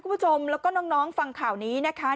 ทุ่มแล้วก็น้องฟังข่าวนี้นะคะ